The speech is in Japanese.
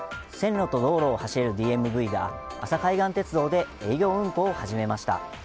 線路と道路を走れるＤＭＶが阿佐海岸鉄道で営業運行を始めました。